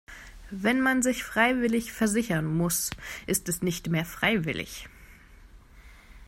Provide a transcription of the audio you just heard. Wenn man sich freiwillig versichern muss, ist es nicht mehr freiwillig.